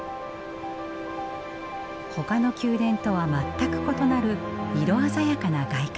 ほかの宮殿とは全く異なる色鮮やかな外観。